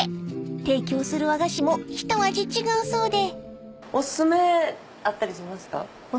［提供する和菓子も一味違うそうで］